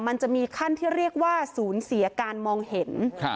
มันจะมีขั้นที่เรียกว่าศูนย์เสียการมองเห็น